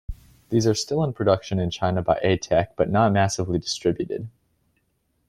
These are still in production in China by Eittek but not massively distributed.